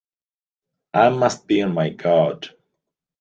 I must be on my guard!